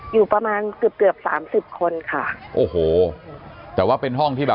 อยู่ประมาณเกือบ